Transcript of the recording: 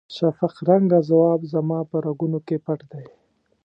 شفق رنګه ځواب زما په رګونو کې پټ دی.